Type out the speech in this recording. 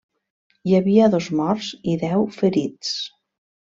Hi havia dos morts i deu ferits.